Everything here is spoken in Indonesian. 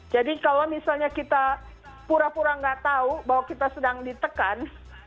jadi kalau misalnya kita pura pura nggak tahu bahwa kita sedang ditekan